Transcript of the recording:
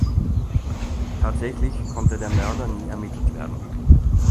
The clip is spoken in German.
Tatsächlich konnte der Mörder nie ermittelt werden.